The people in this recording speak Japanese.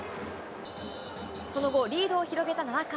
その後、リードを広げた７回。